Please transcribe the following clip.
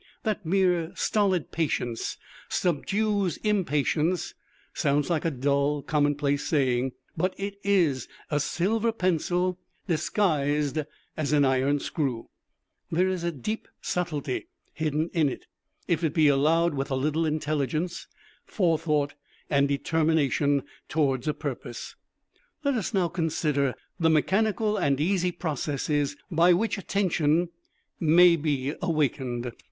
That mere stolid patience subdues impatience sounds like a dull common place saying, but it is a silver pencil disguised as an iron screw; there is a deep subtlety hidden in it, if it be allowed with a little intelligence, forethought, and determination towards a purpose. Let us now consider the mechanical and easy processes by which attention may be awakened.